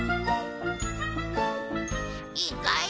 いいかい？